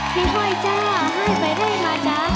ที่ห้อยจ้าให้ไปได้มาจ้ะ